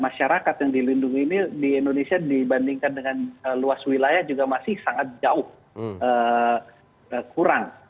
masyarakat yang dilindungi ini di indonesia dibandingkan dengan luas wilayah juga masih sangat jauh kurang